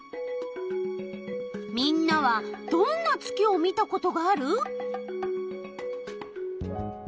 みんなはどんな月を見たことがある？